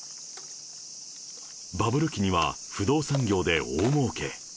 バブル期には、不動産業で大儲け。